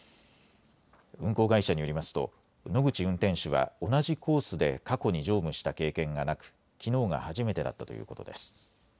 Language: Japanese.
運行会社によりますと野口運転手は同じコースで過去に乗務した経験がなく、きのうが初めてだったということです。